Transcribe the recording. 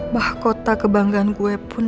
bahkota kebanggaan gue pun